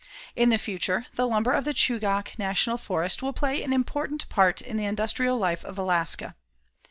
In the future, the lumber of the Chugach National Forest will play an important part in the industrial life of Alaska.